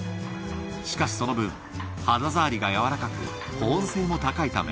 しかしその分、肌触りが柔らかく、保温性も高いため、